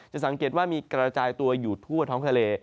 สังเกตว่ามีกระจายตัวอยู่ทั่วท้องทะเล